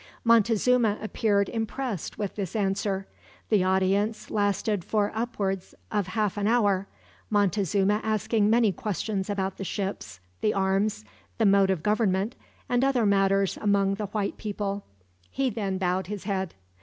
Montezuma appeared impressed with this answer. The audience lasted for upwards of half an hour, Montezuma asking many questions about the ships, the arms, the mode of government, and other matters among the white people, He then bowed his head.